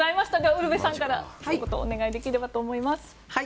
ウルヴェさんからひと言お願いできればと思います。